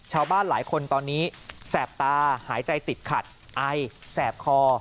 ชาวบ้านหลายคนตอนนี้แสบตาหายใจติดขัดไอแสบคอ